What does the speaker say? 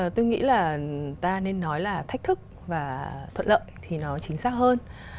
tôi nghĩ là ta nên nói là thách thức và thuận lợi thì nó chính xác hơn